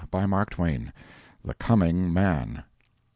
BY MARK TWAIN. THE COMING MAN.